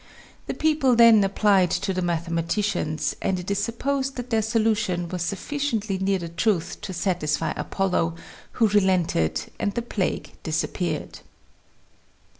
The people then applied to the mathematicians, and it is supposed that their solution was sufficiently near the truth to satisfy Apollo, who relented, and the plague disappeared.